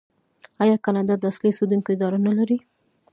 آیا کاناډا د اصلي اوسیدونکو اداره نلري؟